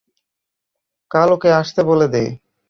কাল ওকে আসতে বলে দে।